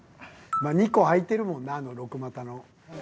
２個空いてるもんなあの六股の。